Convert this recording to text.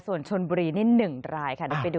ส่วนชนบุรีนี่๑รายค่ะ